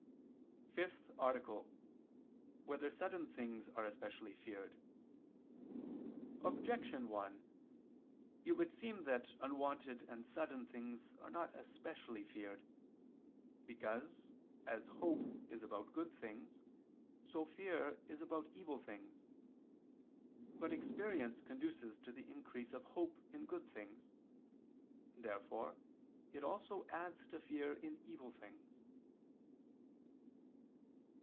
________________________ FIFTH ARTICLE [I II, Q. 42, Art. 5] Whether Sudden Things Are Especially Feared? Objection 1: It would seem that unwonted and sudden things are not especially feared. Because, as hope is about good things, so fear is about evil things. But experience conduces to the increase of hope in good things. Therefore it also adds to fear in evil things.